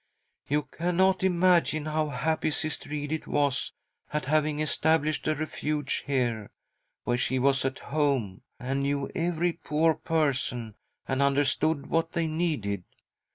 You cannot imagine how happy Sister Edith wasj at having established a Refuge here, where she was at home, and knew every poor person and understood what they needed.